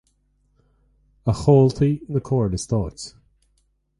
A chomhaltaí na Comhairle Stáit